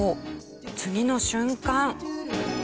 次の瞬間。